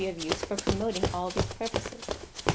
365 of use for promoting all these purposes.